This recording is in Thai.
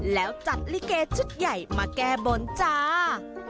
แล้วจัดลิเกชุดใหญ่มาแก้บนจ้า